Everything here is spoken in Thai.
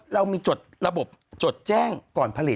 เรามีจดระบบจดแจ้งก่อนผลิต